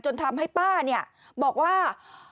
จนทำให้ป้าบอกว่า